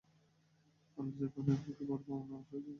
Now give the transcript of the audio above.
আলো যে কণা এর পক্ষে বড় প্রমাণ আলো সোজা পথে চলে।